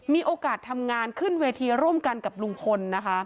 มีโอกาสทำงานขึ้นเวทีร่วมกันกับลุงพลนะคะ